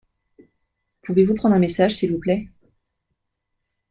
Pouvez-vous prendre un message s’il vous plait ?